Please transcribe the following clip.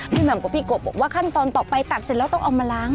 แหม่มกับพี่กบบอกว่าขั้นตอนต่อไปตัดเสร็จแล้วต้องเอามาล้าง